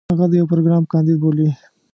هغه د يو پروګرام کانديد بولي.